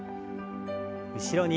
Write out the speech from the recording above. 後ろに。